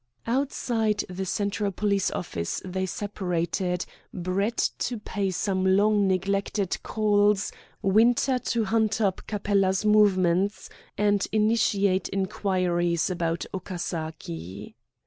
Outside the Central Police Office they separated, Brett to pay some long neglected calls, Winter to hunt up Capella's movements and initiate inquiries about Okasaki.